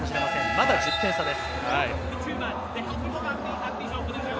まだ１０点差です。